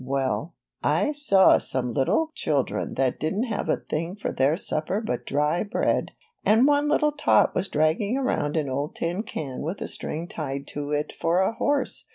^ Well, I saw some little children that didn't have a thing for their supper but dry bread; and one little tot was dragging around an old tin can with a string tied to it for a horse.